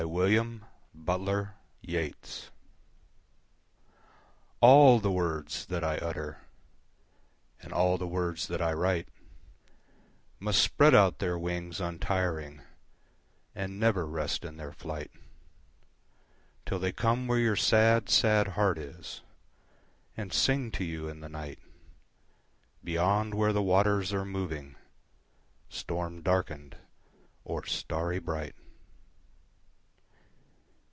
Where My Books go ALL the words that I utter, And all the words that I write, Must spread out their wings untiring, And never rest in their flight, Till they come where your sad, sad heart is, 5 And sing to you in the night, Beyond where the waters are moving, Storm darken'd or starry bright.